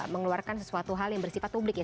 mengeluarkan sesuatu hal yang bersifat publik ya